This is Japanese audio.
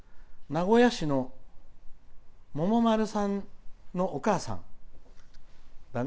名古屋市のももまるさんのお母さん。